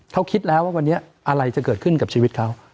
เขาคิดแล้วว่าวันนี้อะไรจะเกิดขึ้นกับชีวิตเขา